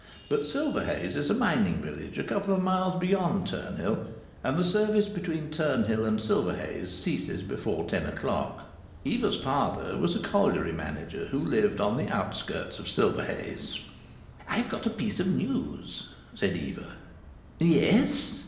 But Silverhays is a mining village a couple of miles beyond Turnhill, and the service between Turnhill and Silverhays ceases before ten o'clock. Eva's father was a colliery manager who lived on the outskirts of Silverhays. "I've got a piece of news," said Eva. "Yes?"